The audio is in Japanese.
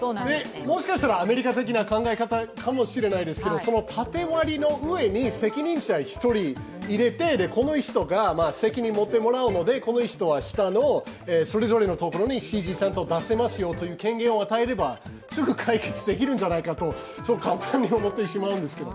もしかしたらアメリカ的な考え方かもしれないですけれども縦割りの上に責任者１人入れて、この人に責任を持ってもらうので、この人は下のそれぞれのところに指示をちゃんと出せますよという権限を与えれば、すぐ解決できるんじゃないかと考えてしまうんですが。